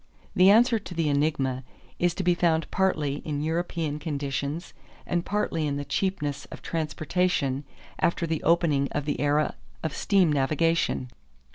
The answer to the enigma is to be found partly in European conditions and partly in the cheapness of transportation after the opening of the era of steam navigation.